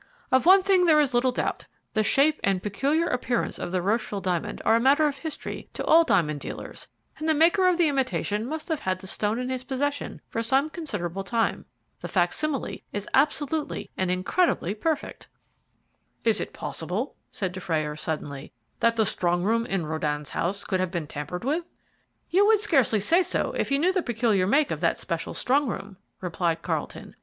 Of one thing there is little doubt. The shape and peculiar appearance of the Rocheville diamond are a matter of history to all diamond dealers, and the maker of the imitation must have had the stone in his possession for some considerable time. The facsimile is absolutely and incredibly perfect." "Is it possible," said Dufrayer suddenly, "that the strong room in Röden's house could have been tampered with?" "You would scarcely say so if you knew the peculiar make of that special strong room," replied Carlton.